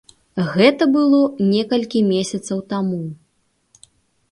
Гэта было некалькі месяцаў таму.